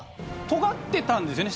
とがってたんですよね